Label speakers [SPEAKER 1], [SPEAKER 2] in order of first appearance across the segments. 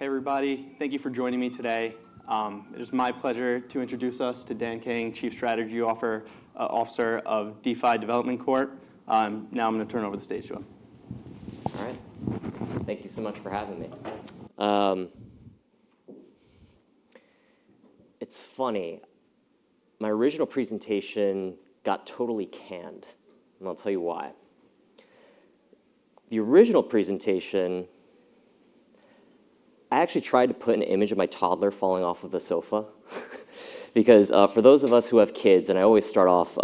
[SPEAKER 1] Hey, everybody. Thank you for joining me today. It is my pleasure to introduce us to Dan Kang, Chief Strategy Officer of DeFi Development Corp. Now I'm gonna turn over the stage to him.
[SPEAKER 2] All right. Thank you so much for having me.
[SPEAKER 1] Thanks.
[SPEAKER 2] It's funny, my original presentation got totally canned. I'll tell you why. The original presentation, I actually tried to put an image of my toddler falling off of the sofa because, for those of us who have kids, and I always start off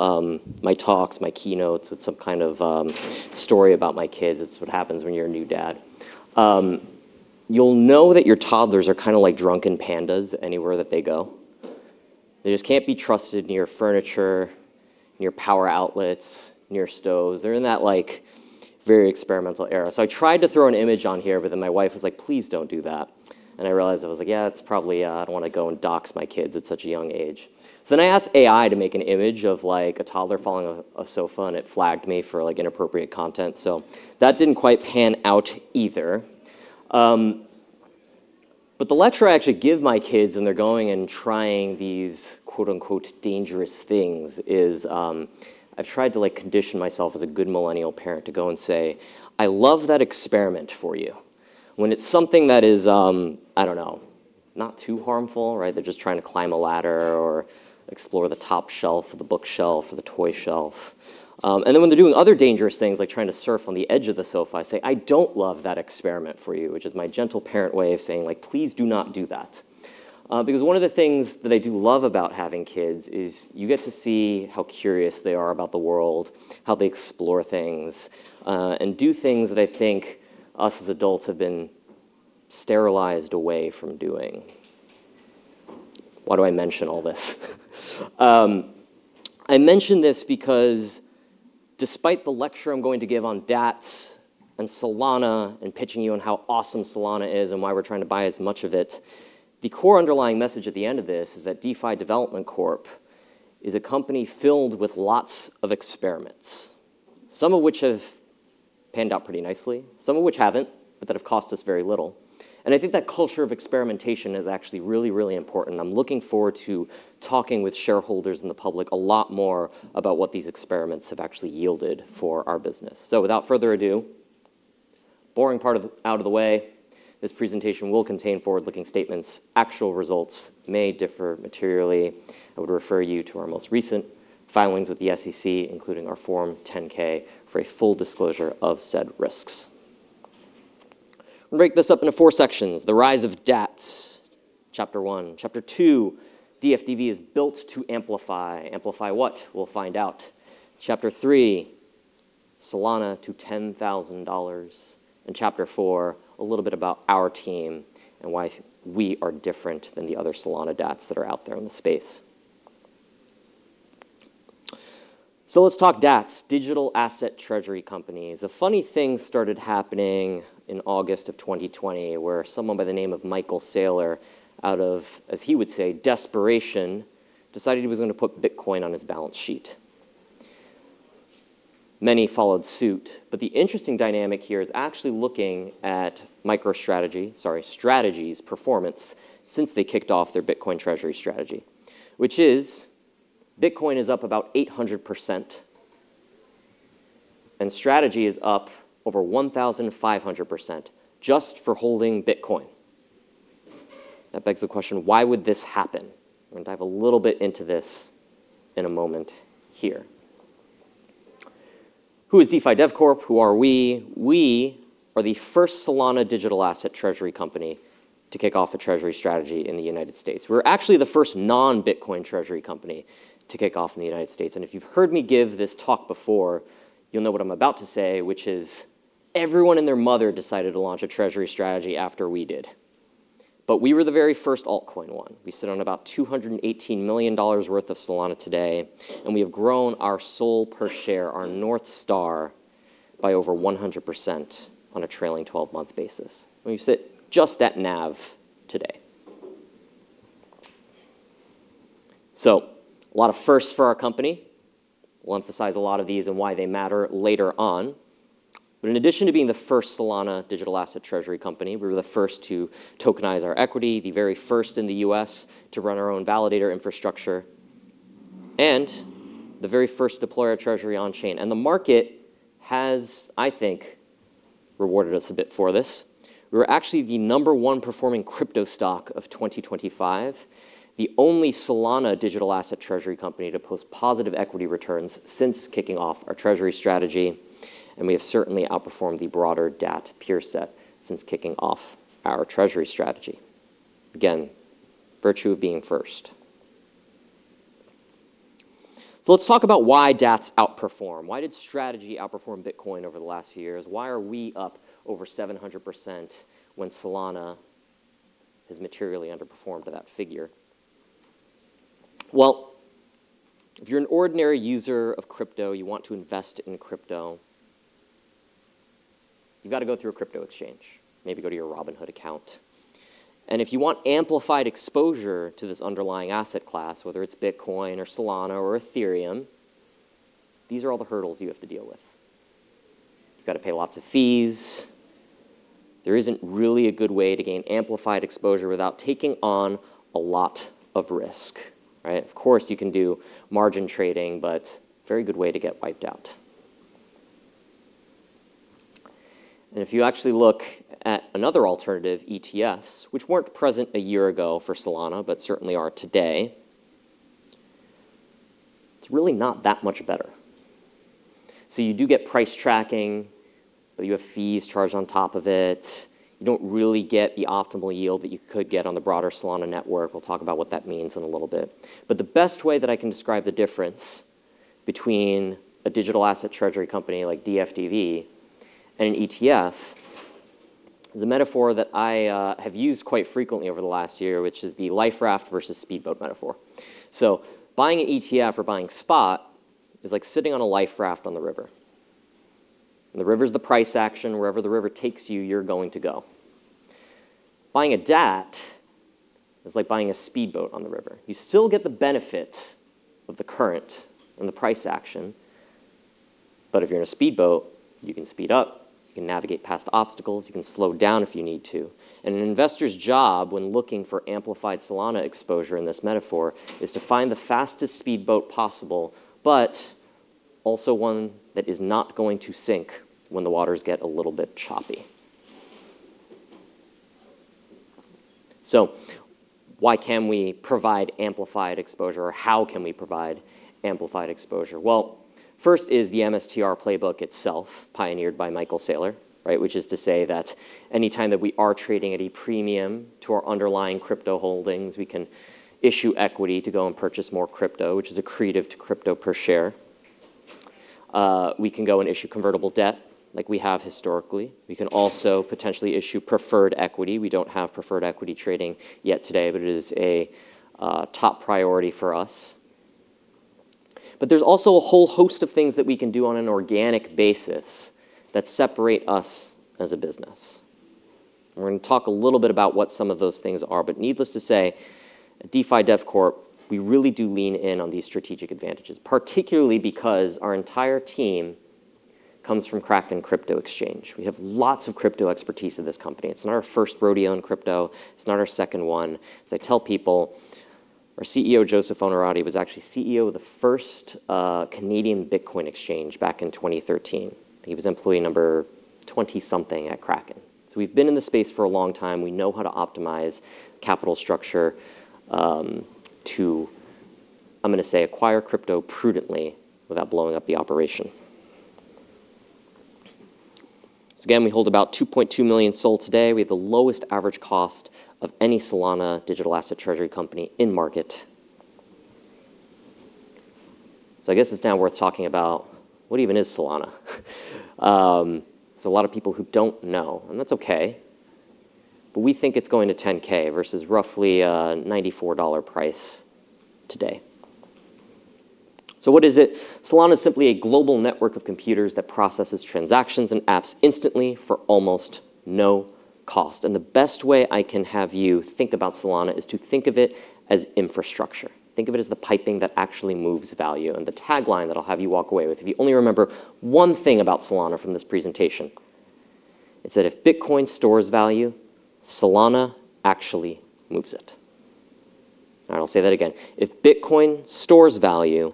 [SPEAKER 2] my talks, my keynotes with some kind of story about my kids. It's what happens when you're a new dad. You'll know that your toddlers are kinda like drunken pandas anywhere that they go. They just can't be trusted near furniture, near power outlets, near stoves. They're in that, like, very experimental era. I tried to throw an image on here. My wife was like, "Please don't do that." I realized, I was like, "Yeah, it's probably, I don't wanna go and dox my kids at such a young age." I asked AI to make an image of, like, a toddler falling off a sofa. It flagged me for, like, inappropriate content, that didn't quite pan out either. The lecture I actually give my kids when they're going and trying these, quote-unquote, dangerous things is, I've tried to, like, condition myself as a good millennial parent to go and say, "I love that experiment for you," when it's something that is, I don't know, not too harmful, right? They're just trying to climb a ladder or explore the top shelf of the bookshelf or the toy shelf. When they're doing other dangerous things, like trying to surf on the edge of the sofa, I say, "I don't love that experiment for you," which is my gentle parent way of saying like, "Please do not do that." One of the things that I do love about having kids is you get to see how curious they are about the world, how they explore things, and do things that I think us, as adults, have been sterilized away from doing. Why do I mention all this? I mention this because despite the lecture I'm going to give on DATS and Solana and pitching you on how awesome Solana is and why we're trying to buy as much of it, the core underlying message at the end of this is that DeFi Development Corp is a company filled with lots of experiments, some of which have panned out pretty nicely, some of which haven't, but that have cost us very little. I think that culture of experimentation is actually really, really important, and I'm looking forward to talking with shareholders and the public a lot more about what these experiments have actually yielded for our business. Without further ado, boring part out of the way, this presentation will contain forward-looking statements. Actual results may differ materially. I would refer you to our most recent filings with the SEC, including our Form 10-K, for a full disclosure of said risks. I'm gonna break this up into four sections: The Rise of DATS, Chapter one. Chapter two, DFDV is Built to Amplify. Amplify what? We'll find out. Chapter three, Solana to $10,000. Chapter four, a little bit about our team and why we are different than the other Solana DATS that are out there in the space. Let's talk DATS, digital asset treasury companies. A funny thing started happening in August of 2020 where someone by the name of Michael Saylor, out of, as he would say, desperation, decided he was gonna put Bitcoin on his balance sheet. Many followed suit, but the interesting dynamic here is actually looking at MicroStrategy, sorry, MicroStrategy's performance since they kicked off their Bitcoin treasury strategy, which is Bitcoin is up about 800% and MicroStrategy is up over 1,500% just for holding Bitcoin. That begs the question. Why would this happen? We're gonna dive a little bit into this in a moment here. Who is DeFi Development Corp.? Who are we? We are the first Solana digital asset treasury company to kick off a treasury strategy in the U.S. We're actually the first non-Bitcoin treasury company to kick off in the U.S., and if you've heard me give this talk before, you'll know what I'm about to say, which is everyone and their mother decided to launch a treasury strategy after we did, but we were the very first altcoin one. We sit on about $218 million worth of Solana today, and we have grown our SOL per share, our North Star, by over 100% on a trailing 12-month basis when you sit just at NAV today. A lot of firsts for our company. We'll emphasize a lot of these and why they matter later on. In addition to being the first Solana digital asset treasury company, we were the first to tokenize our equity, the very first in the U.S. to run our own validator infrastructure, and the very first to deploy our treasury on-chain. The market has, I think, rewarded us a bit for this. We were actually the number one performing crypto stock of 2025, the only Solana digital asset treasury company to post positive equity returns since kicking off our treasury strategy, and we have certainly outperformed the broader DAT peer set since kicking off our treasury strategy. Again, virtue of being first. Let's talk about why DATS outperform. Why did Strategy outperform Bitcoin over the last few years? Why are we up over 700% when Solana has materially underperformed to that figure? If you're an ordinary user of crypto, you want to invest in crypto, you've gotta go through a crypto exchange, maybe go to your Robinhood account. If you want amplified exposure to this underlying asset class, whether it's Bitcoin or Solana or Ethereum. These are all the hurdles you have to deal with. You've got to pay lots of fees. There isn't really a good way to gain amplified exposure without taking on a lot of risk, right? Of course, you can do margin trading, but very good way to get wiped out. If you actually look at another alternative, ETFs, which weren't present a year ago for Solana, but certainly are today, it's really not that much better. You do get price tracking, but you have fees charged on top of it. You don't really get the optimal yield that you could get on the broader Solana network. We'll talk about what that means in a little bit. The best way that I can describe the difference between a digital asset treasury company like DFDV and an ETF is a metaphor that I have used quite frequently over the last year, which is the life raft versus speedboat metaphor. Buying an ETF or buying spot is like sitting on a life raft on the river. The river's the price action. Wherever the river takes you're going to go. Buying a DAT is like buying a speedboat on the river. You still get the benefit of the current and the price action. If you're in a speedboat, you can speed up, you can navigate past obstacles, you can slow down if you need to. An investor's job when looking for amplified Solana exposure in this metaphor is to find the fastest speedboat possible, but also one that is not going to sink when the waters get a little bit choppy. Why can we provide amplified exposure? How can we provide amplified exposure? First is the MSTR playbook itself, pioneered by Michael Saylor, right? Which is to say that anytime that we are trading at a premium to our underlying crypto holdings, we can issue equity to go and purchase more crypto, which is accretive to crypto per share. We can go and issue convertible debt like we have historically. We can also potentially issue preferred equity. We don't have preferred equity trading yet today, but it is a top priority for us. There's also a whole host of things that we can do on an organic basis that separate us as a business. We're going to talk a little bit about what some of those things are. Needless to say, at DeFi Dev Corp., we really do lean in on these strategic advantages, particularly because our entire team comes from Kraken. We have lots of crypto expertise in this company. It's not our first rodeo in crypto. It's not our second one. As I tell people, our CEO, Joseph Onorati, was actually CEO of the first Canadian Bitcoin exchange back in 2013. He was employee number 20-something at Kraken. We've been in the space for a long time. We know how to optimize capital structure, to, I'm going to say, acquire crypto prudently without blowing up the operation. Again, we hold about $2.2 million SOL today. We have the lowest average cost of any Solana digital asset treasury company in-market. I guess it's now worth talking about what even is Solana? There's a lot of people who don't know, and that's okay, but we think it's going to $10K versus roughly a $94 price today. What is it? Solana is simply a global network of computers that processes transactions and apps instantly for almost no cost. The best way I can have you think about Solana is to think of it as infrastructure. Think of it as the piping that actually moves value. The tagline that I'll have you walk away with, if you only remember one thing about Solana from this presentation, it's that if Bitcoin stores value, Solana actually moves it. All right, I'll say that again. If Bitcoin stores value,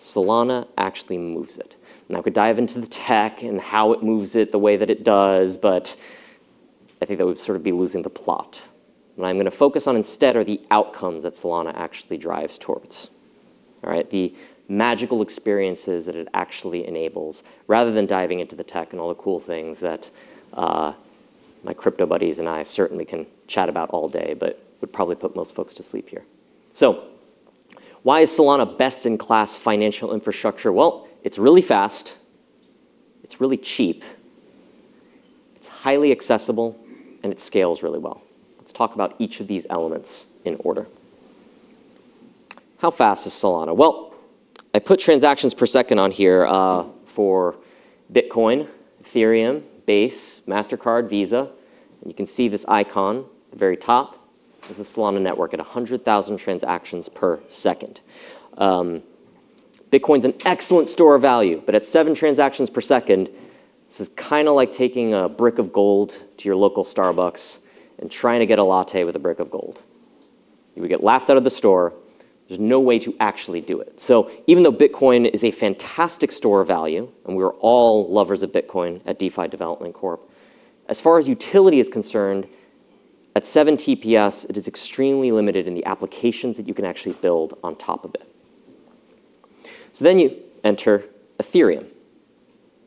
[SPEAKER 2] Solana actually moves it. Now, I could dive into the tech and how it moves it the way that it does, I think that would sort of be losing the plot. What I'm going to focus on instead are the outcomes that Solana actually drives towards. All right? The magical experiences that it actually enables, rather than diving into the tech and all the cool things that my crypto buddies and I certainly can chat about all day would probably put most folks to sleep here. Why is Solana best-in-class financial infrastructure? Well, it's really fast, it's really cheap, it's highly accessible, it scales really well. Let's talk about each of these elements in order. How fast is Solana? Well, I put transactions per second on here for Bitcoin, Ethereum, Base, Mastercard, Visa, and you can see this icon at the very top is the Solana network at 100,000 transactions per second. Bitcoin's an excellent store of value, but at 7 transactions per second, this is kind of like taking a brick of gold to your local Starbucks and trying to get a latte with a brick of gold. You would get laughed out of the store. There's no way to actually do it. Even though Bitcoin is a fantastic store of value, and we are all lovers of Bitcoin at DeFi Development Corp., as far as utility is concerned, at 7 TPS, it is extremely limited in the applications that you can actually build on top of it. You enter Ethereum,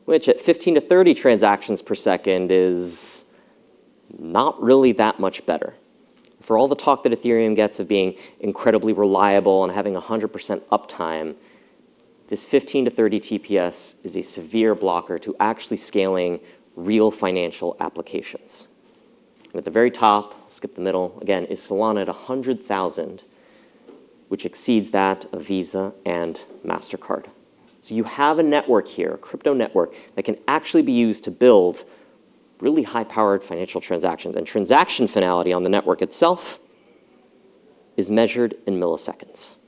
[SPEAKER 2] which at 15-30 transactions per second is not really that much better. For all the talk that Ethereum gets of being incredibly reliable and having 100% uptime, this 15-30 TPS is a severe blocker to actually scaling real financial applications. At the very top, skip the middle, again, is Solana at 100,000, which exceeds that of Visa and Mastercard. You have a network here, a crypto network, that can actually be used to build really high-powered financial transactions. Transaction finality on the network itself is measured in milliseconds.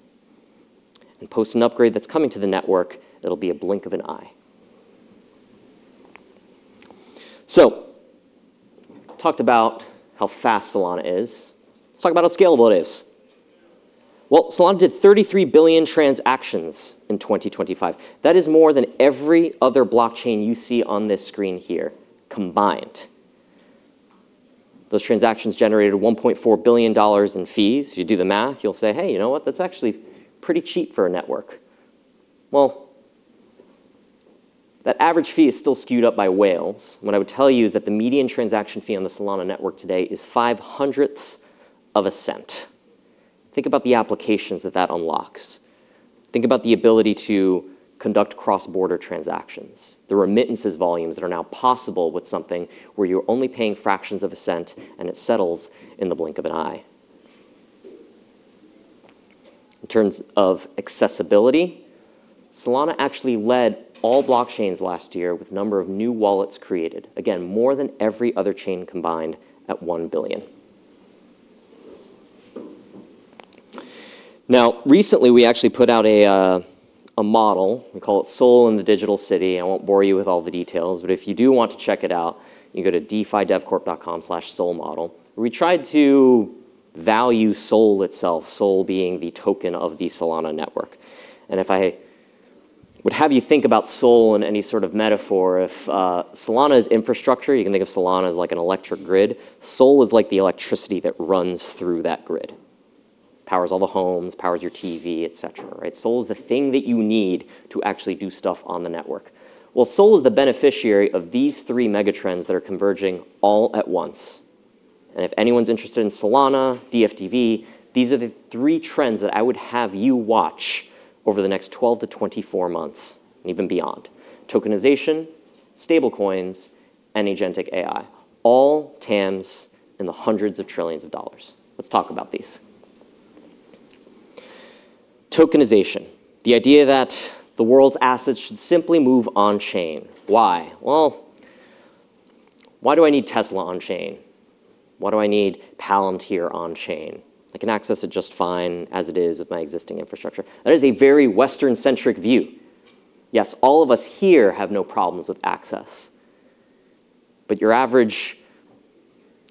[SPEAKER 2] Post an upgrade that's coming to the network, it'll be a blink of an eye. Talked about how fast Solana is. Let's talk about how scalable it is. Well, Solana did $33 billion transactions in 2025. That is more than every other blockchain you see on this screen here combined. Those transactions generated $1.4 billion in fees. You do the math, you'll say, "Hey, you know what? That's actually pretty cheap for a network." That average fee is still skewed up by whales. What I would tell you is that the median transaction fee on the Solana network today is $0.0005. Think about the applications that that unlocks. Think about the ability to conduct cross-border transactions, the remittances volumes that are now possible with something where you're only paying fractions of a cent and it settles in the blink of an eye. In terms of accessibility, Solana actually led all blockchains last year with the number of new wallets created, again, more than every other chain combined at $1 billion. Recently, we actually put out a model. We call it SOL in the Digital City. I won't bore you with all the details. If you do want to check it out, you can go to defidevcorp.com/solmodel. We tried to value SOL itself, SOL being the token of the Solana network. If I would have you think about SOL in any sort of metaphor, if Solana is infrastructure, you can think of Solana as like an electric grid. SOL is like the electricity that runs through that grid. It powers all the homes, powers your TV, etc. SOL is the thing that you need to actually do stuff on the network. SOL is the beneficiary of these three mega trends that are converging all at once. If anyone's interested in Solana, DFDV, these are the three trends that I would have you watch over the next 12-24 months and even beyond. Tokenization, stablecoins, and agentic AI, all TAMs in the hundreds of trillions of dollars. Let's talk about these. Tokenization, the idea that the world's assets should simply move on-chain. Why? Well, why do I need Tesla on-chain? Why do I need Palantir on-chain? I can access it just fine as it is with my existing infrastructure. That is a very Western-centric view. Yes, all of us here have no problems with access. Your average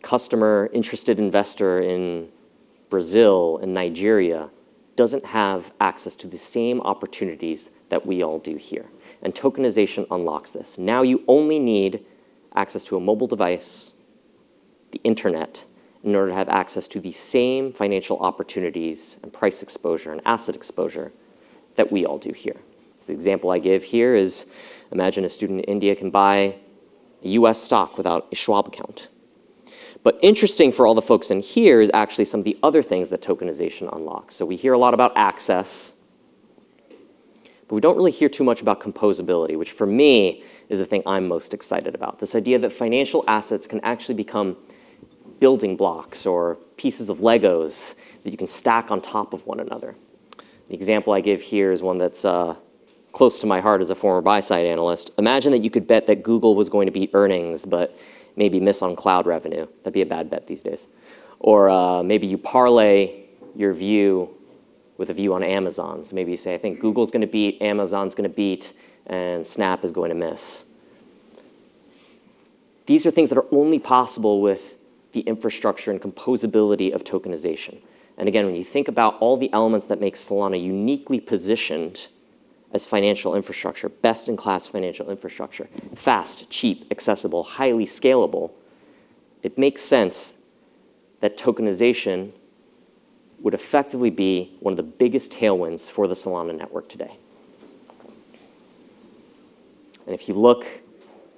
[SPEAKER 2] customer, interested investor in Brazil, in Nigeria, doesn't have access to the same opportunities that we all do here, and tokenization unlocks this. Now you only need access to a mobile device, the internet, in order to have access to the same financial opportunities and price exposure and asset exposure that we all do here. The example I give here is imagine a student in India can buy U.S. stock without a Schwab account. Interesting for all the folks in here is actually some of the other things that tokenization unlocks. We hear a lot about access, but we don't really hear too much about composability, which for me is the thing I'm most excited about. This idea that financial assets can actually become building blocks or pieces of Legos that you can stack on top of one another. The example I give here is one that's close to my heart as a former buy-side analyst. Imagine that you could bet that Google was going to beat earnings but maybe miss on cloud revenue. That'd be a bad bet these days. Maybe you parlay your view with a view on Amazon. Maybe you say, "I think Google's gonna beat, Amazon's gonna beat, and Snap is going to miss." These are things that are only possible with the infrastructure and composability of tokenization. Again, when you think about all the elements that make Solana uniquely positioned as financial infrastructure, best-in-class financial infrastructure, fast, cheap, accessible, highly scalable, it makes sense that tokenization would effectively be one of the biggest tailwinds for the Solana network today. If you look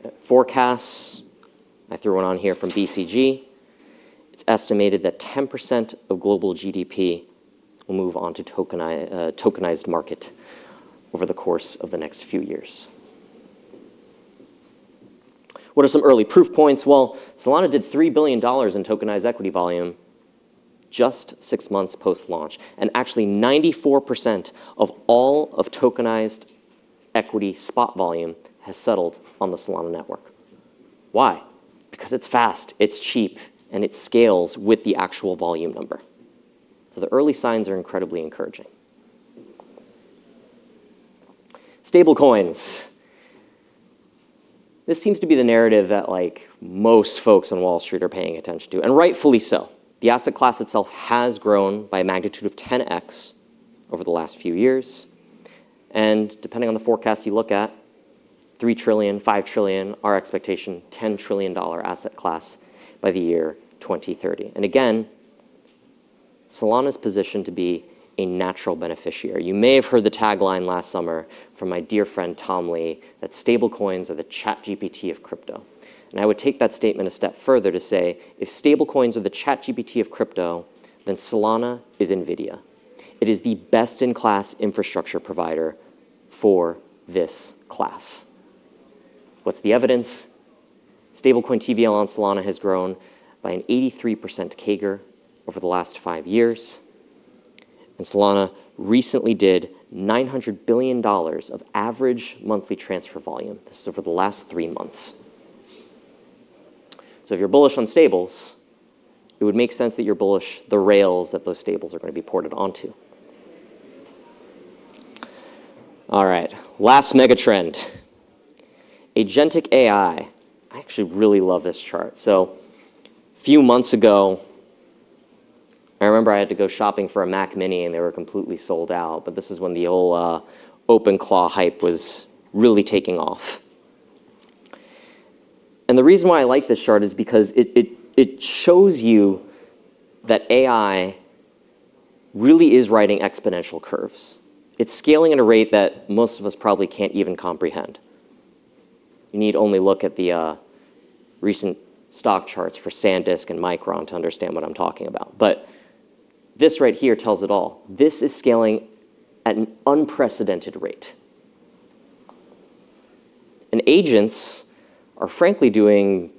[SPEAKER 2] at forecasts, I threw one on here from BCG, it's estimated that 10% of global GDP will move on to tokenized market over the course of the next few years. What are some early proof points? Well, Solana did $3 billion in tokenized equity volume just six months post-launch. Actually, 94% of all of tokenized equity spot volume has settled on the Solana network. Why? Because it's fast, it's cheap, and it scales with the actual volume number. The early signs are incredibly encouraging. stable coins. This seems to be the narrative that, like, most folks on Wall Street are paying attention to, and rightfully so. The asset class itself has grown by a magnitude of 10x over the last few years. Depending on the forecast you look at, $3 trillion, $5 trillion, our expectation, $10 trillion asset class by the year 2030. Again, Solana's positioned to be a natural beneficiary. You may have heard the tagline last summer from my dear friend Tom Lee that stablecoins are the ChatGPT of crypto. I would take that statement a step further to say, if stablecoins are the ChatGPT of crypto, then Solana is NVIDIA. It is the best-in-class infrastructure provider for this class. What's the evidence? Stablecoin TVL on Solana has grown by an 83% CAGR over the last five years. Solana recently did $900 billion of average monthly transfer volume. This is over the last three months. If you're bullish on stables, it would make sense that you're bullish the rails that those stables are gonna be ported onto. All right, last mega trend, agentic AI. I actually really love this chart. Few months ago, I remember I had to go shopping for a Mac mini, and they were completely sold out, but this is when the old OpenClaw hype was really taking off. The reason why I like this chart is because it shows you that AI really is writing exponential curves. It's scaling at a rate that most of us probably can't even comprehend. You need only look at the recent stock charts for SanDisk and Micron to understand what I'm talking about. This right here tells it all. This is scaling at an unprecedented rate. Agents are frankly doing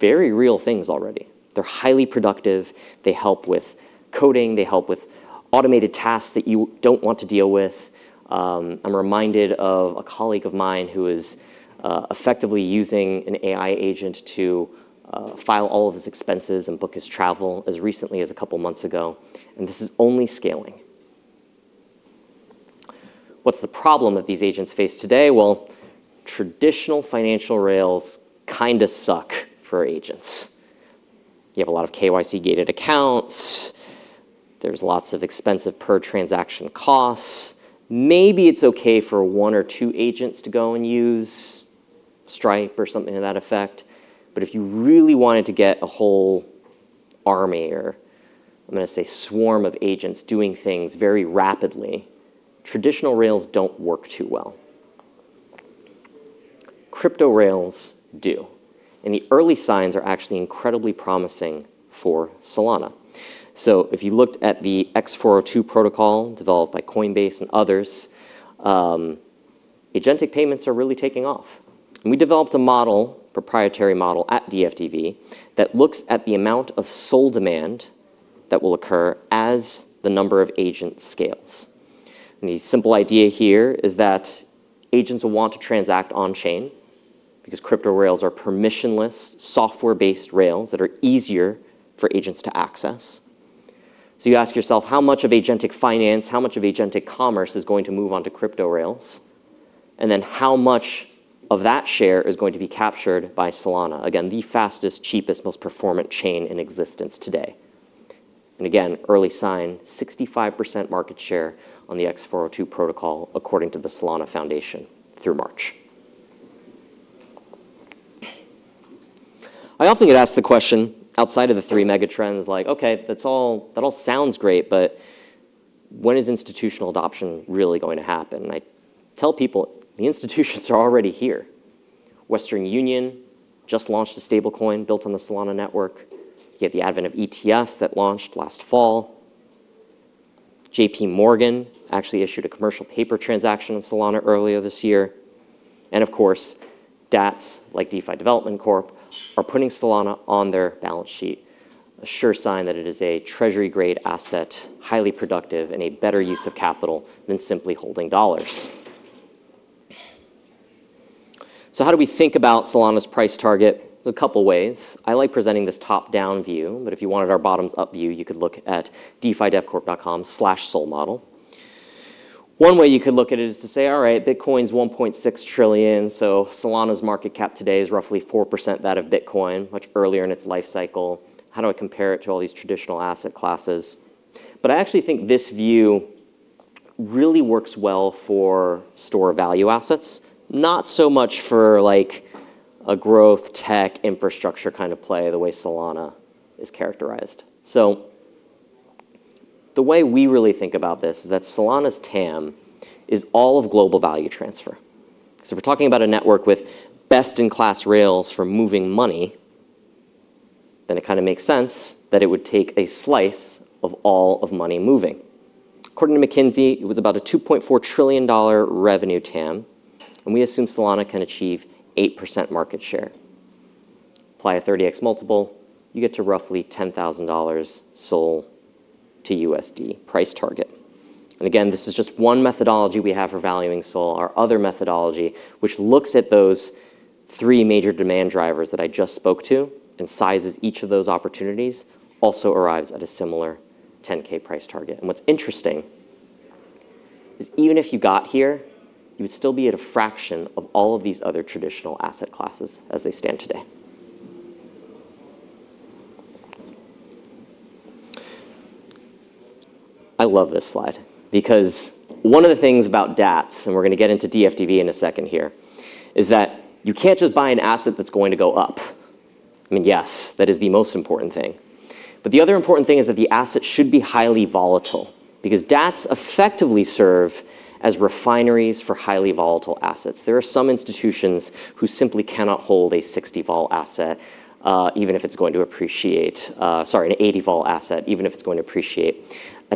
[SPEAKER 2] very real things already. They're highly productive. They help with coding. They help with automated tasks that you don't want to deal with. I'm reminded of a colleague of mine who is effectively using an AI agent to file all of his expenses and book his travel as recently as a couple months ago, and this is only scaling. What's the problem that these agents face today? Traditional financial rails kinda suck for agents. You have a lot of KYC-gated accounts. There's lots of expensive per transaction costs. Maybe it's okay for one or two agents to go and use Stripe or something to that effect, but if you really wanted to get a whole army or, I'm gonna say, swarm of agents doing things very rapidly, traditional rails don't work too well. Crypto rails do, and the early signs are actually incredibly promising for Solana. If you looked at the X402 protocol developed by Coinbase and others, agentic payments are really taking off. We developed a model, proprietary model at DFDV that looks at the amount of SOL demand that will occur as the number of agents scales. The simple idea here is that agents will want to transact on chain because crypto rails are permissionless, software-based rails that are easier for agents to access. You ask yourself, how much of agentic finance, how much of agentic commerce is going to move on to crypto rails? How much of that share is going to be captured by Solana, again, the fastest, cheapest, most performant chain in existence today. Again, early sign, 65% market share on the X402 protocol according to the Solana Foundation through March. I often get asked the question outside of the three mega trends, like, "Okay, that all sounds great, but when is institutional adoption really going to happen?" I tell people the institutions are already here. Western Union just launched a stablecoin built on the Solana network. You have the advent of ETFs that launched last fall. JPMorgan actually issued a commercial paper transaction on Solana earlier this year. Of course, DATS, like DeFi Development Corp, are putting Solana on their balance sheet, a sure sign that it is a treasury-grade asset, highly productive, and a better use of capital than simply holding dollars. How do we think about Solana's price target? There's a couple ways. I like presenting this top-down view, but if you wanted our bottoms-up view, you could look at defidevcorp.com/solmodel. One way you could look at it is to say, "All right, Bitcoin's $1.6 trillion. Solana's market cap today is roughly 4% that of Bitcoin, much earlier in its life cycle." How do I compare it to all these traditional asset classes? I actually think this view really works well for store value assets, not so much for, like, a growth tech infrastructure kind of play, the way Solana is characterized. The way we really think about this is that Solana's TAM is all of global value transfer. If we're talking about a network with best-in-class rails for moving money, then it kinda makes sense that it would take a slice of all of money moving. According to McKinsey, it was about a $2.4 trillion revenue TAM. We assume Solana can achieve 8% market share. Apply a 30x multiple, you get to roughly $10,000 SOL to USD price target. Again, this is just one methodology we have for valuing SOL. Our other methodology, which looks at those three major demand drivers that I just spoke to and sizes each of those opportunities, also arrives at a similar 10K price target. What's interesting is even if you got here, you would still be at a fraction of all of these other traditional asset classes as they stand today. I love this slide because one of the things about DATS, and we're gonna get into DFDV in a second here, is that you can't just buy an asset that's going to go up. I mean, yes, that is the most important thing. The other important thing is that the asset should be highly volatile because DATS effectively serve as refineries for highly volatile assets. There are some institutions who simply cannot hold an 80 vol asset, even if it's going to appreciate at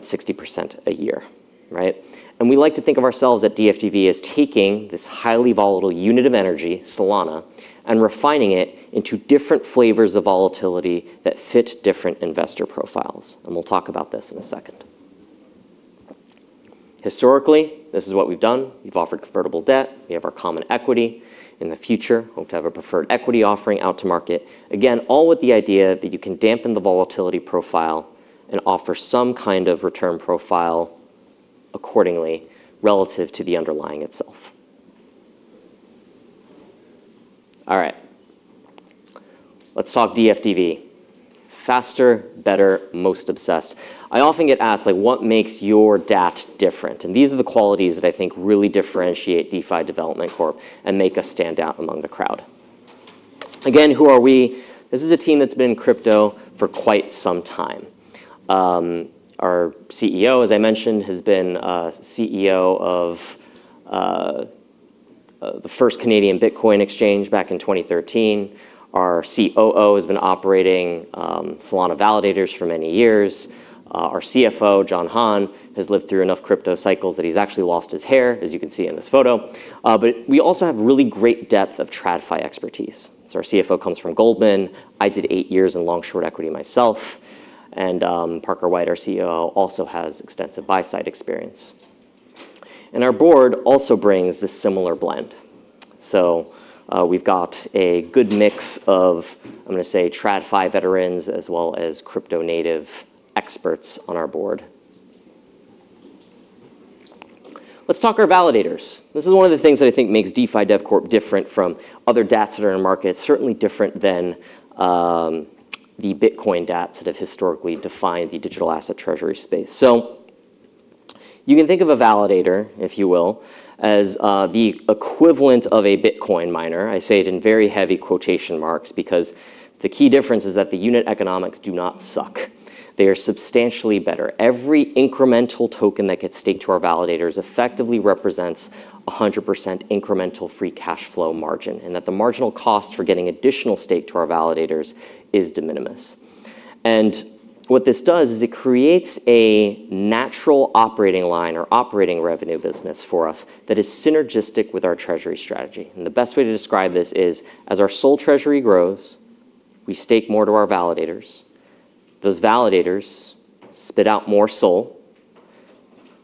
[SPEAKER 2] 60% a year, right? We like to think of ourselves at DFDV as taking this highly volatile unit of energy, Solana, and refining it into different flavors of volatility that fit different investor profiles, and we'll talk about this in a second. Historically, this is what we've done. We've offered convertible debt. We have our common equity. We hope to have a preferred equity offering out to market. Again, all with the idea that you can dampen the volatility profile and offer some kind of return profile accordingly relative to the underlying itself. All right. Let's talk DFDV. Faster, better, most obsessed. I often get asked, like, "What makes your DAT different?" These are the qualities that I think really differentiate DeFi Development Corp and make us stand out among the crowd. Again, who are we? This is a team that's been in crypto for quite some time. Our CEO, as I mentioned, has been a CEO of the first Canadian Bitcoin exchange back in 2013. Our COO has been operating Solana validators for many years. Our CFO, John Han, has lived through enough crypto cycles that he's actually lost his hair, as you can see in this photo. We also have really great depth of TradFi expertise. Our CFO comes from Goldman. I did eight years in long-short equity myself. Parker White, our CEO, also has extensive buy-side experience. Our board also brings this similar blend. We've got a good mix of, I'm gonna say, TradFi veterans as well as crypto native experts on our board. Let's talk our validators. This is one of the things that I think makes DeFi Dev Corp. different from other DATs that are in market. It's certainly different than the Bitcoin DATs that have historically defined the digital asset treasury space. You can think of a validator, if you will, as the equivalent of a Bitcoin miner. I say it in very heavy quotation marks because the key difference is that the unit economics do not suck. They are substantially better. Every incremental token that gets staked to our validators effectively represents 100% incremental free cash flow margin, and that the marginal cost for getting additional staked to our validators is de minimis. What this does is it creates a natural operating line or operating revenue business for us that is synergistic with our treasury strategy. The best way to describe this is, as our SOL treasury grows, we stake more to our validators. Those validators spit out more SOL,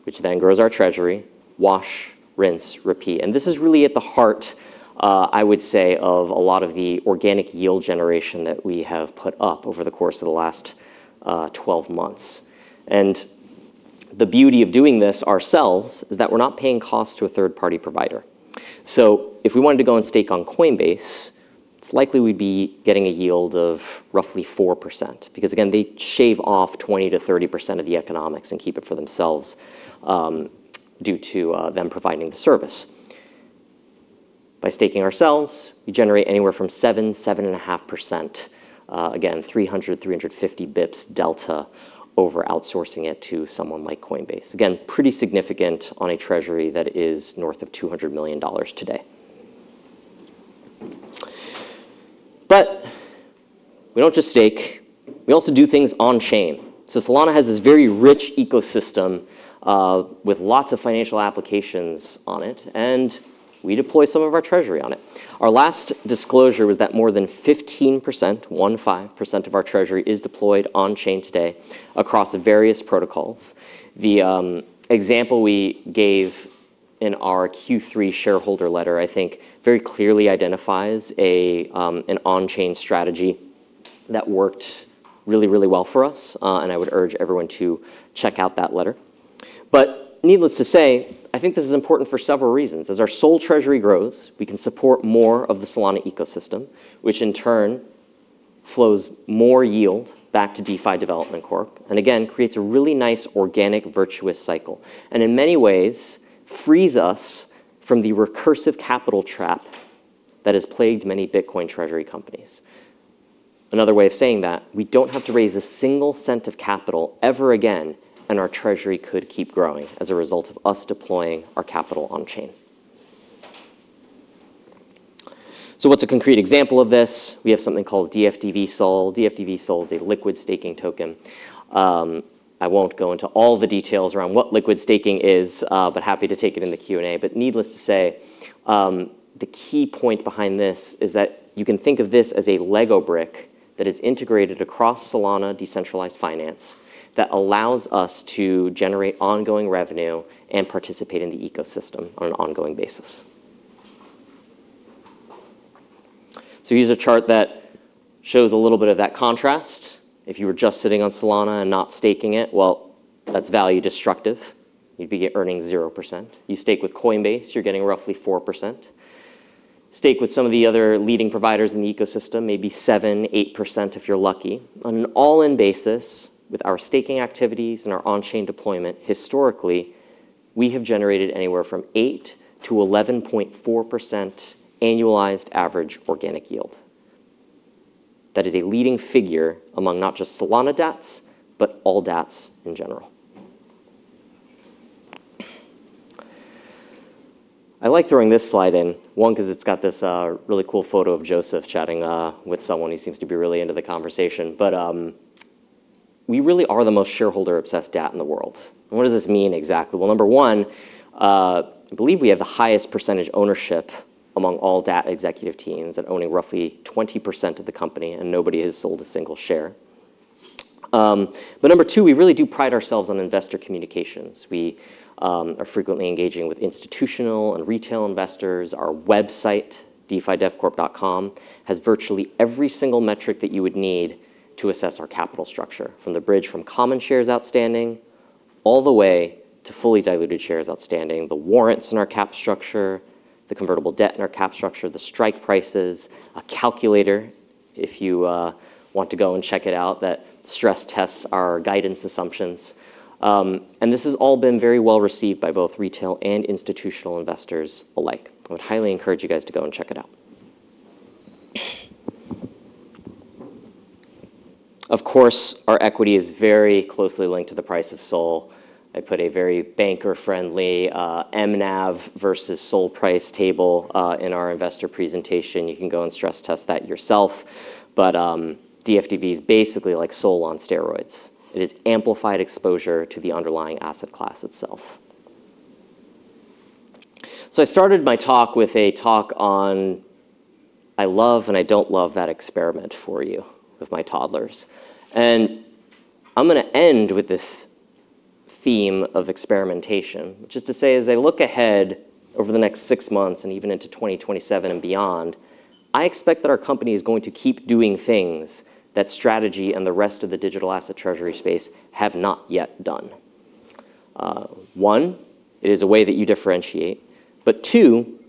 [SPEAKER 2] which then grows our treasury. Wash, rinse, repeat. This is really at the heart, I would say, of a lot of the organic yield generation that we have put up over the course of the last 12 months. The beauty of doing this ourselves is that we're not paying costs to a third-party provider. If we wanted to go and stake on Coinbase, it's likely we'd be getting a yield of roughly 4%, because again, they shave off 20%-30% of the economics and keep it for themselves, due to them providing the service. By staking ourselves, we generate anywhere from 7%, 7.5%. Again, 300, 350 basis points delta over outsourcing it to someone like Coinbase. Again, pretty significant on a treasury that is north of $200 million today. We don't just stake. We also do things on chain. Solana has this very rich ecosystem with lots of financial applications on it, and we deploy some of our treasury on it. Our last disclosure was that more than 15% of our treasury is deployed on chain today across various protocols. The example we gave in our Q3 shareholder letter, I think, very clearly identifies an on-chain strategy that worked really, really well for us. I would urge everyone to check out that letter. Needless to say, I think this is important for several reasons. As our SOL treasury grows, we can support more of the Solana ecosystem, which in turn flows more yield back to DeFi Development Corp, and again, creates a really nice organic virtuous cycle, and in many ways frees us from the recursive capital trap that has plagued many Bitcoin treasury companies. Another way of saying that, we don't have to raise a single cent of capital ever again, and our treasury could keep growing as a result of us deploying our capital on chain. What's a concrete example of this? We have something called DFDV SOL. DFDV SOL is a liquid staking token. I won't go into all the details around what liquid staking is, but happy to take it in the Q&A. Needless to say, the key point behind this is that you can think of this as a Lego brick that is integrated across Solana decentralized finance that allows us to generate ongoing revenue and participate in the ecosystem on an ongoing basis. Here's a chart that shows a little bit of that contrast. If you were just sitting on Solana and not staking it, well, that's value destructive. You'd be earning 0%. You stake with Coinbase, you're getting roughly 4%. Stake with some of the other leading providers in the ecosystem, maybe 7%, 8% if you're lucky. On an all-in basis with our staking activities and our on-chain deployment, historically, we have generated anywhere from 8%-11.4% annualized average organic yield. That is a leading figure among not just Solana DATS, but all DATS in general. I like throwing this slide in, one, because it's got this really cool photo of Joseph chatting with someone. He seems to be really into the conversation. We really are the most shareholder-obsessed DAT in the world. What does this mean exactly? Number one, I believe we have the highest percentage ownership among all DAT executive teams at owning roughly 20% of the company, and nobody has sold a single share. Number two, we really do pride ourselves on investor communications. We are frequently engaging with institutional and retail investors. Our website, defidevcorp.com, has virtually every single metric that you would need to assess our capital structure, from the bridge from common shares outstanding all the way to fully diluted shares outstanding, the warrants in our cap structure, the convertible debt in our cap structure, the strike prices, a calculator if you want to go and check it out that stress tests our guidance assumptions. This has all been very well-received by both retail and institutional investors alike. I would highly encourage you guys to go and check it out. Of course, our equity is very closely linked to the price of SOL. I put a very banker-friendly mNAV versus SOL price table in our investor presentation. You can go and stress test that yourself. DFDV is basically like SOL on steroids. It is amplified exposure to the underlying asset class itself. I started my talk with a talk on I love and I don't love that experiment for you with my toddlers. I'm going to end with this theme of experimentation, which is to say, as I look ahead over the next six months and even into 2027 and beyond, I expect that our company is going to keep doing things that strategy and the rest of the digital asset treasury space have not yet done. One, it is a way that you differentiate, but two,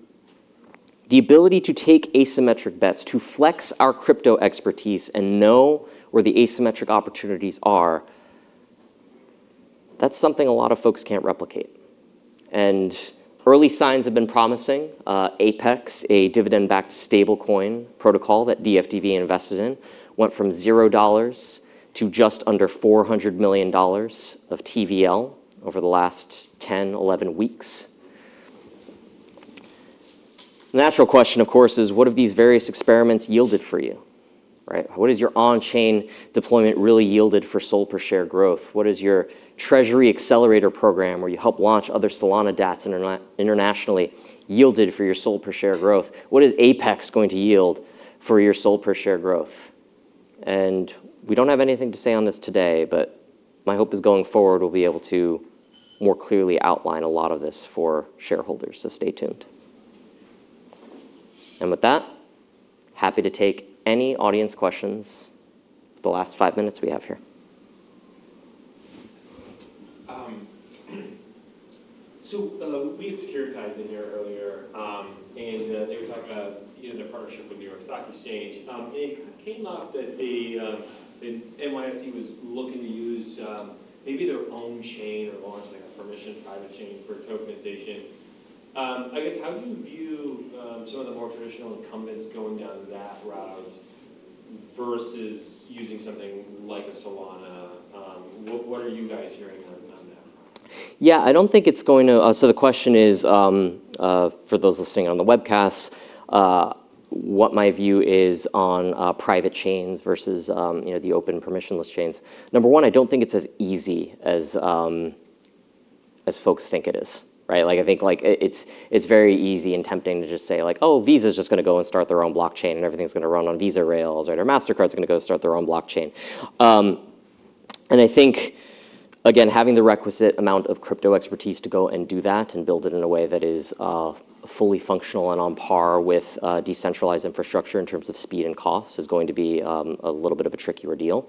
[SPEAKER 2] the ability to take asymmetric bets, to flex our crypto expertise and know where the asymmetric opportunities are, that is something a lot of folks can't replicate. Early signs have been promising. Apyx, a dividend-backed stablecoin protocol that DFDV invested in, went from $0 to just under $400 million of TVL over the last 10, 11 weeks. The natural question, of course, is what have these various experiments yielded for you? Right? What has your on-chain deployment really yielded for SOL per share growth? What has your treasury accelerator program, where you help launch other Solana DATS internationally, yielded for your SOL per share growth? What is Apyx going to yield for your SOL per share growth? We don't have anything to say on this today, but my hope is going forward we'll be able to more clearly outline a lot of this for shareholders, so stay tuned. With that, happy to take any audience questions the last five minutes we have here.
[SPEAKER 3] We had Securitize in here earlier, and they were talking about, you know, their partnership with New York Stock Exchange. It came up that the NYSE was looking to use, maybe their own chain or launch a permission private chain for tokenization. I guess, how do you view some of the more traditional incumbents going down that route versus using something like a Solana? What are you guys hearing on that?
[SPEAKER 2] Yeah, so the question is, for those listening on the webcast, what my view is on private chains versus, you know, the open permissionless chains. Number one, I don't think it's as easy as folks think it is, right? I think, like, it's very easy and tempting to just say, like, "Oh, Visa's just gonna go and start their own blockchain, and everything's gonna run on Visa rails," right? Mastercard's gonna go start their own blockchain. I think, again, having the requisite amount of crypto expertise to go and do that and build it in a way that is fully functional and on par with decentralized infrastructure in terms of speed and cost is going to be a little bit of a trickier deal.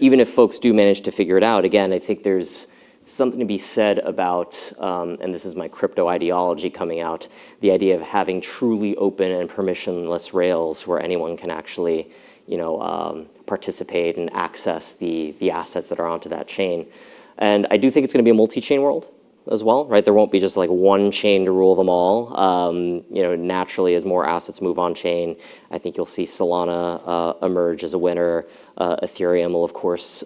[SPEAKER 2] Even if folks do manage to figure it out, again, I think there's something to be said about, and this is my crypto ideology coming out, the idea of having truly open and permissionless rails where anyone can actually, you know, participate and access the assets that are onto that chain. I do think it's gonna be a multi-chain world as well, right? There won't be just, like, one chain to rule them all. You know, naturally, as more assets move on-chain, I think you'll see Solana emerge as a winner. Ethereum will, of course,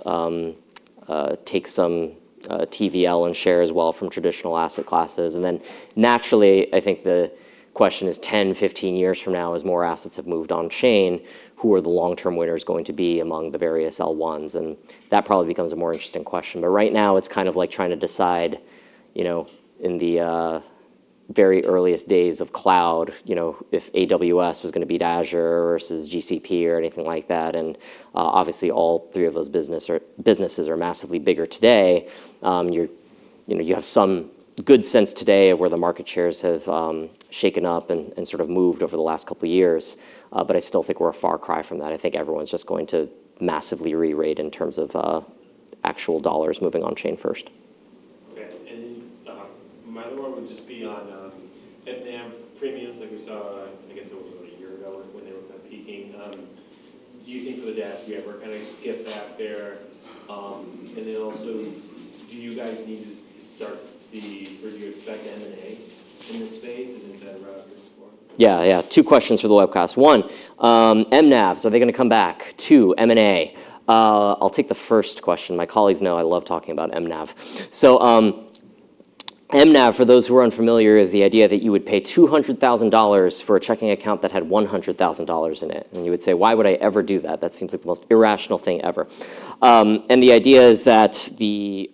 [SPEAKER 2] take some TVL and share as well from traditional asset classes. Naturally, I think the question is 10, 15 years from now, as more assets have moved on-chain, who are the long-term winners going to be among the various L1s? That probably becomes a more interesting question. Right now, it's kind of like trying to decide, you know, in the very earliest days of cloud, you know, if AWS was gonna beat Azure versus GCP or anything like that. Obviously, all three of those businesses are massively bigger today. You're, you know, you have some good sense today of where the market shares have shaken up and sort of moved over the last couple years. I still think we're a far cry from that. I think everyone's just going to massively rerate in terms of actual dollars moving on-chain first.
[SPEAKER 3] Okay. Then, my other one would just be on mNAV premiums like we saw, I guess it was about a year ago when they were kind of peaking. Do you think the DATS will ever kind of get back there? Then also, do you guys need to start to see or do you expect M&A in this space? Is that around the corner?
[SPEAKER 2] Yeah, yeah. Two questions for the webcast. One, mNAV, are they gonna come back? Two, M&A. I'll take the first question. My colleagues know I love talking about mNAV. mNAV, for those who are unfamiliar, is the idea that you would pay $200,000 for a checking account that had $100,000 in it. You would say, "Why would I ever do that? That seems like the most irrational thing ever." The idea is that the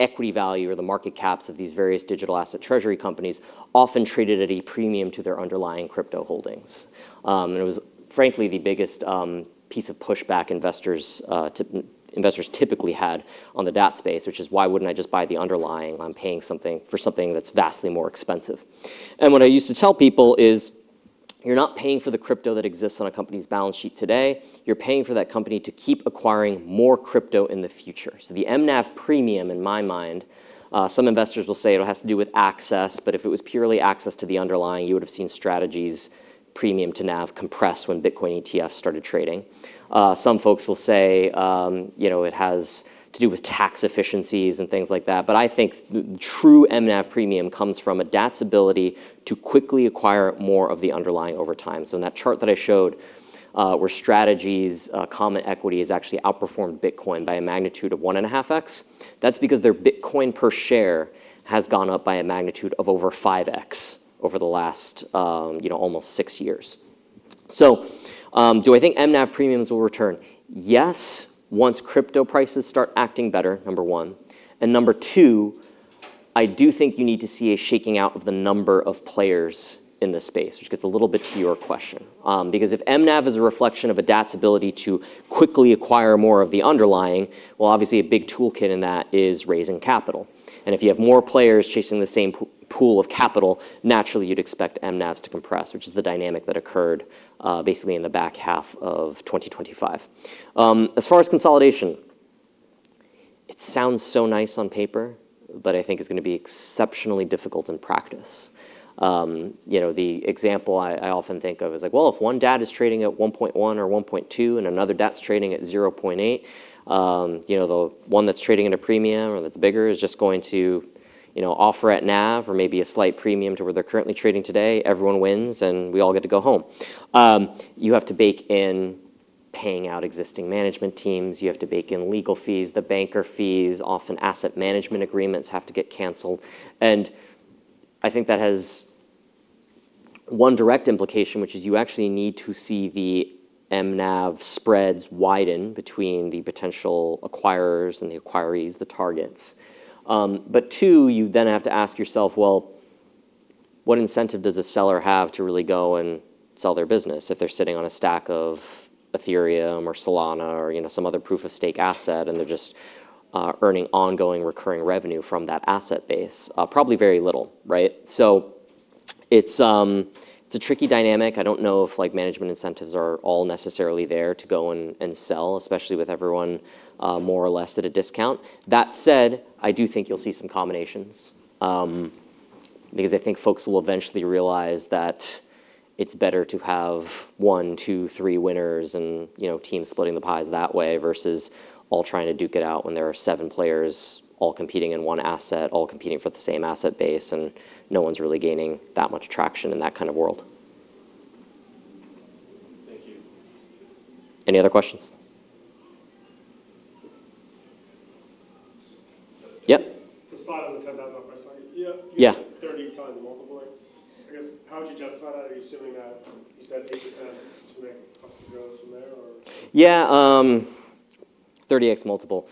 [SPEAKER 2] equity value or the market caps of these various digital asset treasury companies often traded at a premium to their underlying crypto holdings. It was frankly the biggest piece of pushback investors typically had on the DATS, which is why wouldn't I just buy the underlying? I'm paying something for something that's vastly more expensive. What I used to tell people is. You're not paying for the crypto that exists on a company's balance sheet today. You're paying for that company to keep acquiring more crypto in the future. The mNAV premium, in my mind, some investors will say it has to do with access, but if it was purely access to the underlying, you would've seen MicroStrategy's premium to NAV compress when Bitcoin ETF started trading. Some folks will say, you know, it has to do with tax efficiencies and things like that, but I think the true mNAV premium comes from MicroStrategy's ability to quickly acquire more of the underlying over time. In that chart that I showed, where MicroStrategy's common equity has actually outperformed Bitcoin by a magnitude of 1.5x. That's because their Bitcoin per share has gone up by a magnitude of over 5x over the last, you know, almost six years. Do I think mNAV premiums will return? Yes, once crypto prices start acting better, number one. Number two, I do think you need to see a shaking out of the number of players in this space, which gets a little bit to your question. Because if mNAV is a reflection of DATS ability to quickly acquire more of the underlying, well, obviously, a big toolkit in that is raising capital. If you have more players chasing the same pool of capital, naturally you'd expect mNAVs to compress, which is the dynamic that occurred basically in the back half of 2025. As far as consolidation, it sounds so nice on paper, but I think it's gonna be exceptionally difficult in practice. You know, the example I often think of is like, well, if one DATS is trading at 1.1 or 1.2 and another DATS trading at 0.8, you know, the one that's trading at a premium or that's bigger is just going to, you know, offer at NAV or maybe a slight premium to where they're currently trading today. Everyone wins, and we all get to go home. You have to bake in paying out existing management teams. You have to bake in legal fees, the banker fees. Often asset management agreements have to get canceled. I think that has one direct implication, which is you actually need to see the mNAV spreads widen between the potential acquirers and the acquirees, the targets. You then have to ask yourself, well, what incentive does the seller have to really go and sell their business if they're sitting on a stack of Ethereum or Solana or, you know, some other proof of stake asset, and they're just earning ongoing recurring revenue from that asset base? Probably very little, right? It's a tricky dynamic. I don't know if, like, management incentives are all necessarily there to go and sell, especially with everyone more or less at a discount. That said, I do think you'll see some combinations, because I think folks will eventually realize that it's better to have one, two, three winners and, you know, teams splitting the pies that way versus all trying to duke it out when there are seven players all competing in one asset, all competing for the same asset base, and no one's really gaining that much traction in that kind of world.
[SPEAKER 3] Thank you.
[SPEAKER 2] Any other questions? Yep.
[SPEAKER 4] The slide on the $10,000 price on it.
[SPEAKER 2] Yeah.
[SPEAKER 4] You have-
[SPEAKER 2] Yeah
[SPEAKER 4] 30x the multiple. I guess, how would you justify that? Are you assuming that you said eight-10 to make up some growth from there or?
[SPEAKER 2] Yeah, 30x multiple.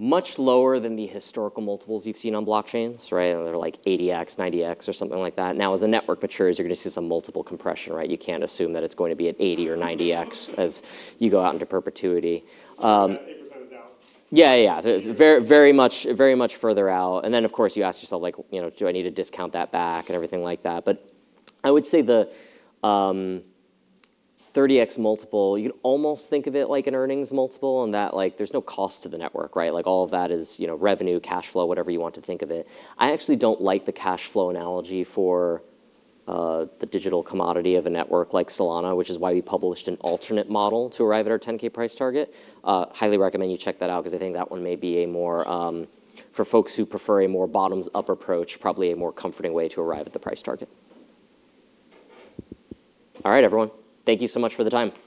[SPEAKER 2] Much lower than the historical multiples you've seen on blockchains, right? They're like 80x, 90x or something like that. Now, as the network matures, you're gonna see some multiple compression, right? You can't assume that it's going to be at 80x or 90x as you go out into perpetuity.
[SPEAKER 4] That 8% is out.
[SPEAKER 2] Yeah. Very much, very much further out. Then, of course, you ask yourself, like, you know, "Do I need to discount that back?" Everything like that. I would say the 30x multiple, you'd almost think of it like an earnings multiple in that, like, there's no cost to the network, right? Like, all of that is, you know, revenue, cash flow, whatever you want to think of it. I actually don't like the cash flow analogy for the digital commodity of a network like Solana, which is why we published an alternate model to arrive at our $10K price target. Highly recommend you check that out because I think that one may be a more, for folks who prefer a more bottoms-up approach, probably a more comforting way to arrive at the price target. All right, everyone. Thank you so much for the time.